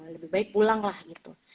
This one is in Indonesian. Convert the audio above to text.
lebih baik pulanglah gitu